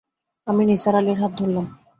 আমি নিসার আলির হাত ধরলাম।